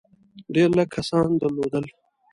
ډېر لږ کسان درلودل.